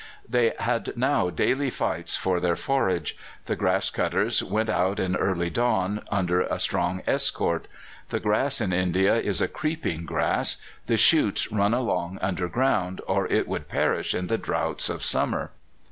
They had now daily fights for their forage. The grass cutters went out at early dawn under a strong escort. The grass in India is a creeping grass: the shoots run along under ground, or it would perish in the droughts of summer.